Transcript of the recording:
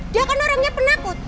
dia kan orangnya penakut